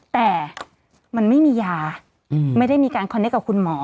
แต่มันไม่มียาไม่ได้มีการคอนเนคกับคุณหมอ